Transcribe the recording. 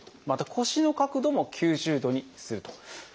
また腰の角度も９０度にすると。